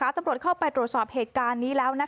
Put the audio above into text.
ตำรวจเข้าไปตรวจสอบเหตุการณ์นี้แล้ว